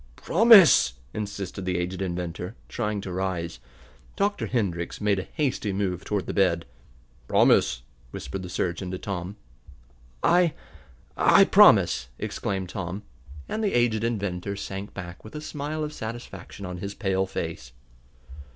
"Promise!" insisted the aged inventor, trying to rise. Dr. Hendrix made a hasty move toward the bed. "Promise!" whispered the surgeon to Tom. "I I promise!" exclaimed Tom, and the aged inventor sank back with a smile of satisfaction on his pale face.